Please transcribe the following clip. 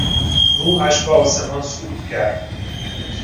روحش به آسمان صعود کرد.